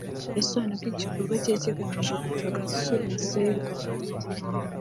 yasobanuye ko iki gikorwa cyari kigamije kugaragaza isura nziza y’u Rwanda